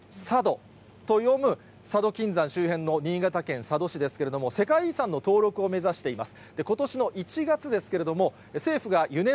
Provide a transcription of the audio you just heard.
佐渡島と書いてさどと読む、佐渡金山周辺の新潟県佐渡市ですけれども、世界遺産の登録を目指しています。